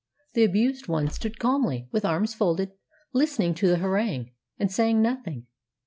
The abused one stood calmly, with arms folded, listening to the harangue, and saying nothing.